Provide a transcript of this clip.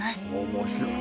面白い！